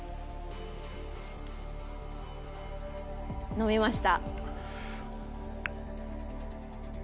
飲みました。